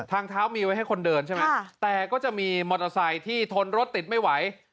ทางเท้ามีไว้ให้คนเดินใช่ไหมแต่ก็จะมีมอเตอร์ไซค์ที่ทนรถติดไม่ไหว